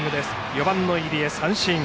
４番の入江は三振。